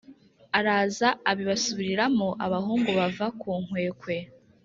araza abibasubiriramo, abahungu bava ku nkwekwe